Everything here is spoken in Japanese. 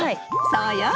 そうよ。